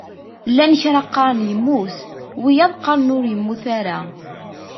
Llan kra qqaren yemmut, wiyaḍ qqaren ur yemmut ara.